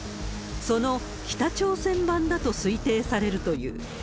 その北朝鮮版だと推定されるという。